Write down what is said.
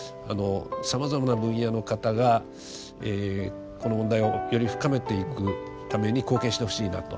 さまざまな分野の方がこの問題をより深めていくために貢献してほしいなと。